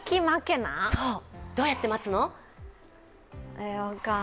どうやって待つの？